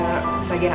alhamdulillah ya allah